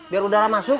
biar udara masuk